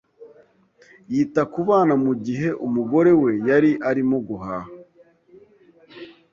Yita ku bana mu gihe umugore we yari arimo guhaha.